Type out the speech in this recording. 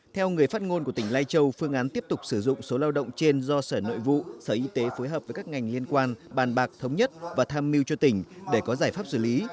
theo người phát ngôn của tỉnh lai châu phương án tiếp tục sử dụng số lao động trên do sở nội vụ sở y tế phối hợp với các ngành liên quan bàn bạc thống nhất và tham mưu cho tỉnh để có giải pháp xử lý